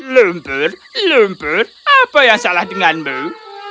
lumpur lumpur apa yang salah denganmu